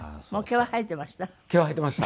毛は生えていました。